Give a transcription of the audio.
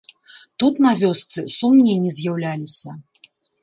Тут, на вёсцы, сумненні з'яўляліся.